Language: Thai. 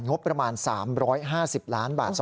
งบประมาณ๓๕๐ล้านบาท